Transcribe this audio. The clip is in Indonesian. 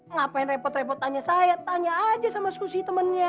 ngapain repot repot tanya saya tanya aja sama susi temannya